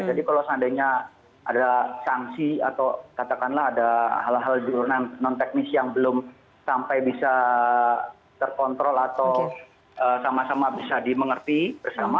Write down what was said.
jadi kalau seandainya ada sanksi atau katakanlah ada hal hal non teknis yang belum sampai bisa terkontrol atau sama sama bisa dimengerti bersama